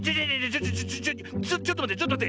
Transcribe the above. ちょちょちょっとまってちょっとまって。